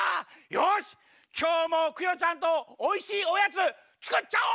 よしきょうもクヨちゃんとおいしいおやつつくっちゃお！